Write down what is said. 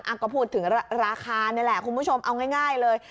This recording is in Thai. ก็พูดถึงราคานี่แหละคุณผู้ชมเอาง่ายเลย